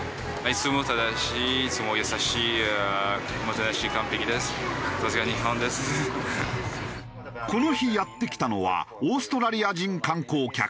ところでこの日やって来たのはオーストラリア人観光客。